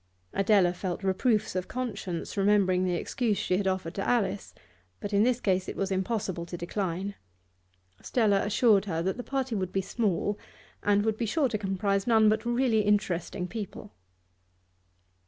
Adela felt reproofs of conscience, remembering the excuse she had offered to Alice, but in this case it was impossible to decline. Stella assured her that the party would be small, and would be sure to comprise none but really interesting people.